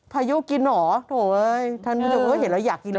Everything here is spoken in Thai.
พายุกินเหรอโถ่เฮ้ยท่านเห็นแล้วอยากกินเลย